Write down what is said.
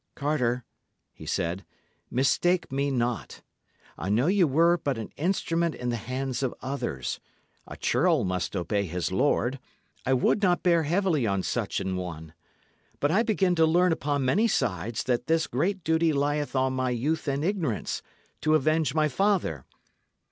"Carter," he said, "mistake me not. I know ye were but an instrument in the hands of others; a churl must obey his lord; I would not bear heavily on such an one. But I begin to learn upon many sides that this great duty lieth on my youth and ignorance, to avenge my father.